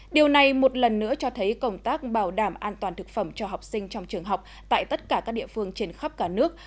điều này một lần nữa cho thấy công tác bảo đảm an toàn thực phẩm cho học sinh trong trường học tại tất cả các địa phương trên khắp cả nước